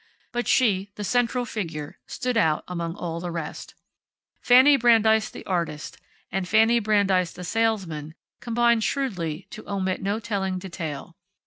But she, the central figure, stood out among all the rest. Fanny Brandeis, the artist, and Fanny Brandeis, the salesman, combined shrewdly to omit no telling detail.